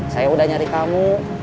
saya udah nyari kamu